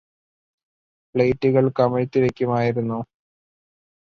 പ്ലേറ്റുകള് കമിഴ്തിവെക്കുമായിരുന്നു